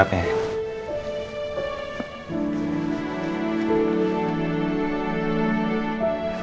ini yang disuruh apa